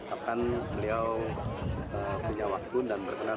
akan beliau punya waktu dan berkenan